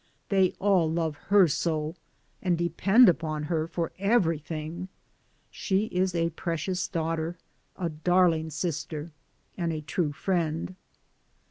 They all love her so, and depend upon her for everything. She is a precious daugh ter, a darling sister, and a true friend.